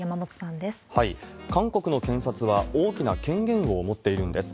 韓国の検察は、大きな権限を持っているんです。